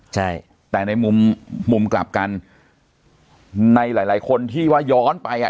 ใช่แต่ในมุมมุมกลับกันในหลายหลายคนที่ว่าย้อนไปอ่ะ